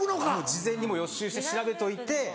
事前にもう予習して調べといて。